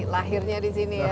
lahirnya disini ya